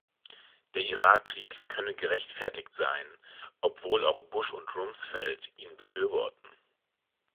Der Irakkrieg könne gerechtfertigt sein, 'obwohl auch Bush und Rumsfeld ihn befürworten'.